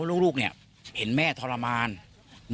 คุณสังเงียมต้องตายแล้วคุณสังเงียม